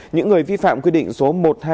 những người vi phạm quy định số một trăm hai mươi